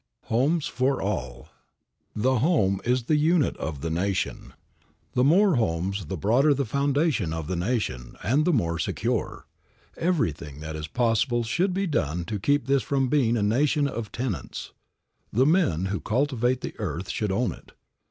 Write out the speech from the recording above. V. HOMES FOR ALL. THE home is the unit of the nation. The more homes the broader the foundation of the nation and the more secure. Everything that is possible should be done to keep this from being a nation of tenants. The men who cultivate the earth should own it.